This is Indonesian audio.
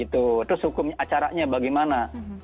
terus hukum acaranya bagaimana